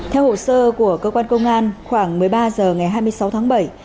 theo hồ sơ của cơ quan công an khoảng một mươi ba h ngày hai mươi sáu tháng bảy